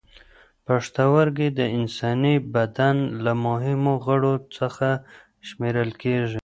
پښتورګي د انساني بدن له مهمو غړو څخه شمېرل کېږي.